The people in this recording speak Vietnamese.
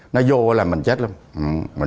nó vô là mình chết luôn